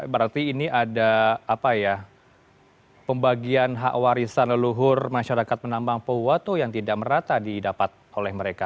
berarti ini ada apa ya pembagian hak warisan leluhur masyarakat penambang pohuwato yang tidak merata didapat oleh mereka